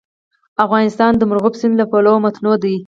افغانستان د مورغاب سیند له پلوه متنوع دی.